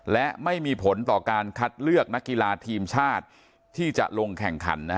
และไม่มีผลต่อการคัดเลือกนักกีฬาทีมชาติที่จะลงแข่งขัน